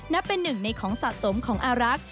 นับเป็นหนึ่งในของสะสมของอารักษ์